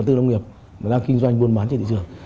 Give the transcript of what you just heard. từ nông nghiệp đang kinh doanh buôn bán trên thị trường